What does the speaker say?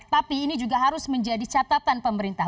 tapi ini juga harus menjadi catatan pemerintah